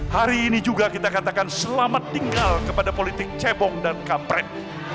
hari ini juga kita katakan selamat tinggal kepada politik cebong dan kampret